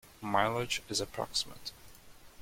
Mileage is approximate.